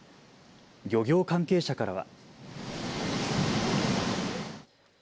漁業関係者からは。